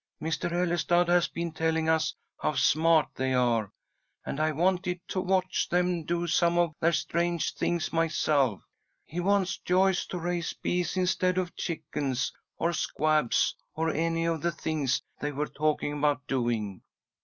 "Mr. Ellestad has been telling us how smart they are, and I wanted to watch them do some of their strange things myself. He wants Joyce to raise bees instead of chickens or squabs or any of the things they were talking about doing.